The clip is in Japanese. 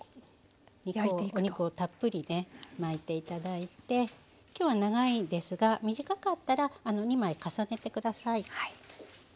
お肉をたっぷりね巻いて頂いて今日は長いですが短かったら２枚重ねて下さい。